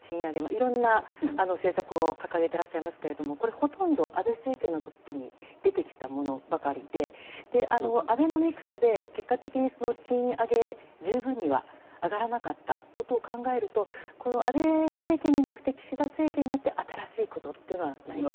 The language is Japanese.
いろんな政策を掲げていらっしゃいますがほとんど安倍政権の時に出てきたものばかりでアベノミクスで結果的に賃上げ、十分には上がらなかったことを考えると安倍政権ではなくて岸田政権になって新しいことって何か。